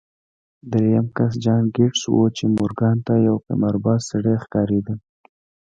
درېيم کس جان ګيټس و چې مورګان ته يو قمارباز سړی ښکارېده.